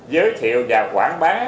giới thiệu và quảng bá